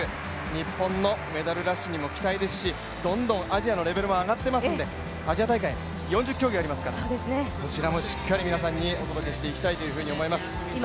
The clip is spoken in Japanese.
日本のメダルラッシュにも期待ですし、どんどんアジアのレベルも上がっていますので、アジア大会、４０競技ありますからそっちもしっかりと皆さんにお届けしたいと思っています。